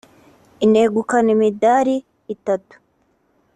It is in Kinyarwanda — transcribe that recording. inegukana imidari itatu